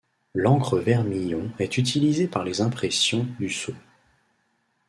L'encre vermillon est utilisée par les impressions du sceau.